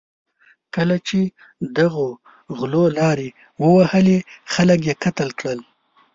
کله چې دغو غلو لارې ووهلې، خلک یې قتل کړل.